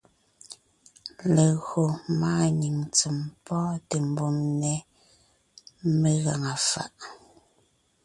Légÿo máanyìŋ ntsèm pɔ́ɔnte mbùm nɛ́ megàŋa fàʼ.